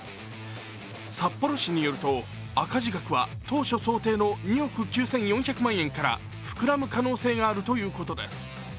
札幌市によると、赤字額は当初想定の２億９４００万円から膨らむ可能性があるということです。